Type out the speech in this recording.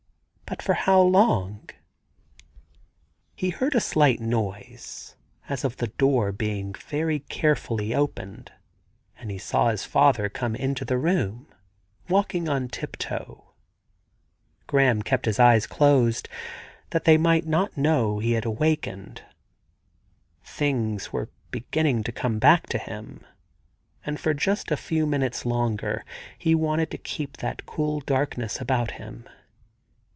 . but for how long ? He heard a slight noise as of the door being very carefully opened, and he saw his father come into the room, walking on tiptoe. Graham kept his eyes closed that they might not know he had awakened. Things were beginning to come back to him, and for just a few minutes longer he wanted to keep that cool darkness about him.